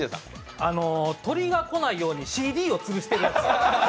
鳥が来ないようにＣＤを潰してるやつ？